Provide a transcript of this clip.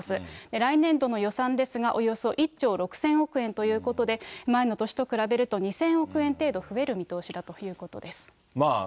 来年度の予算ですが、およそ１兆６０００億円ということで、前の年と比べると、２０００億円程度増える見通しだということです。